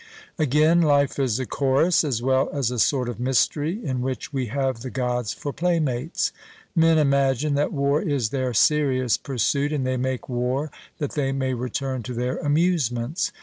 Again, life is a chorus, as well as a sort of mystery, in which we have the Gods for playmates. Men imagine that war is their serious pursuit, and they make war that they may return to their amusements.